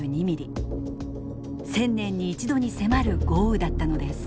１０００年に１度に迫る豪雨だったのです。